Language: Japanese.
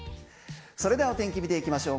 それではお天気見ていきましょう。